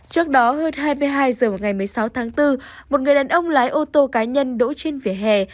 trước đó hơn hai mươi hai h ngày một mươi sáu tháng bốn một người đàn ông lái ô tô cá nhân đổ trên vỉa hè